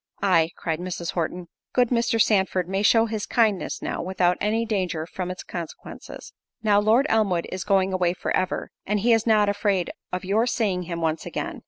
"Ay," cried Mrs. Horton, "good Mr. Sandford may show his kindness now, without any danger from its consequences. Now Lord Elmwood is going away for ever, he is not afraid of your seeing him once again."